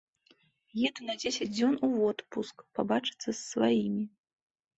Еду на дзесяць дзён у водпуск, пабачыцца з сваімі.